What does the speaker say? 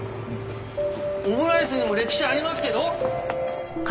オムライスにも歴史ありますけど！？